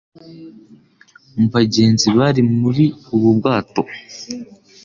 mu bagenzi bari muri ubu bwato